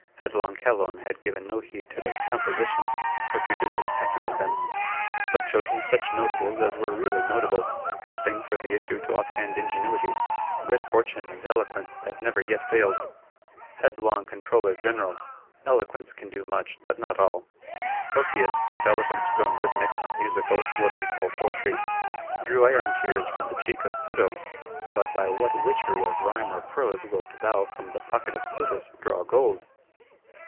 Headlong Calonne had given no heed to the "composition," or judicious packing of them; but chosen such Notables as were really notable; trusting for the issue to off hand ingenuity, good fortune, and eloquence that never yet failed. Headlong Controller General! Eloquence can do much, but not all. Orpheus, with eloquence grown rhythmic, musical (what we call Poetry), drew iron tears from the cheek of Pluto: but by what witchery of rhyme or prose wilt thou from the pocket of Plutus draw gold?